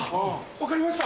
分かりました。